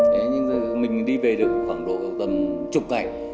thế nhưng mà mình đi về được khoảng độ tầm chục cảnh